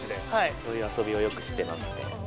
そういう遊びをよくしてますね。